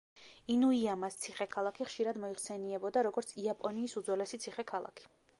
ინუიამას ციხე-ქალაქი ხშირად მოიხსენიებოდა, როგორც იაპონიის უძველესი ციხე-ქალაქი.